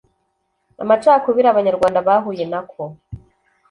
amacakubiri abanyarwanda bahuye nako